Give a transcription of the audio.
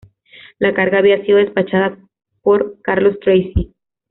La carga había sido despachada por Carlos Tracy..